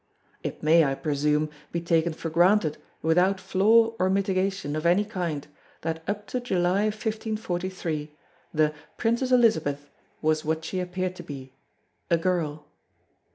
It may, I presume, be taken for granted without flaw or mitigation of any kind that up to July, 1543, the "Princess Elizabeth" was what she appeared to be a girl.